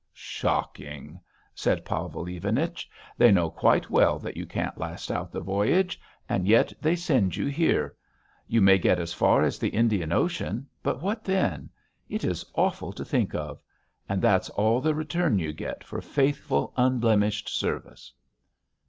"Shocking!" said Pavel Ivanich. "They know quite well that you can't last out the voyage, and yet they send you here! You may get as far as the Indian Ocean, but what then? It is awful to think of.... And that's all the return you get for faithful unblemished service!"